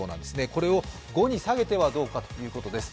これを５に下げてはどうかということです。